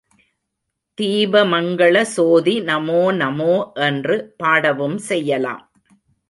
தீப மங்கள சோதி நமோ நமோ என்று பாடவும் செய்யலாம்.